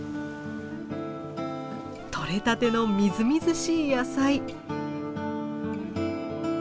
とれたてのみずみずしい野菜！